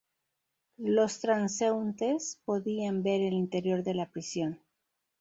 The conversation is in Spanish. Los transeúntes podían ver el interior de la prisión.